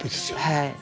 はい。